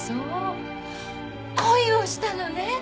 恋をしたのね。